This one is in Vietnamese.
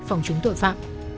phòng chống tội phạm